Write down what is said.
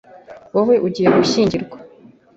wawe ugiye gushyingirwa